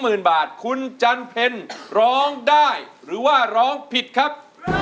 หมื่นบาทคุณจันเพ็ญร้องได้หรือว่าร้องผิดครับ